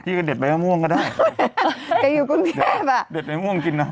เด็ดใบมะม่วงก็ได้แกอยู่กรุงเทพอ่ะเด็ดใบม่วงกินนะ